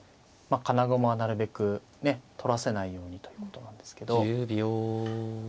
金駒はなるべくね取らせないようにということなんですけど。